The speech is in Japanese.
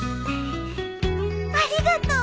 ありがとう。